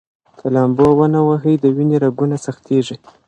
که لامبو ونه ووهئ، د وینې رګونه سختېږي.